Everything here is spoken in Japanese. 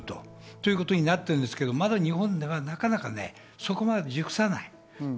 こういうことになってるんですけど、まだ日本ではなかなかね、そこまで熟さない。